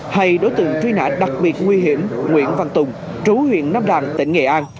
hay đối tượng truy nã đặc biệt nguy hiểm nguyễn văn tùng trú huyện nam đàn tỉnh nghệ an